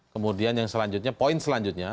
kemudian yang selanjutnya poin selanjutnya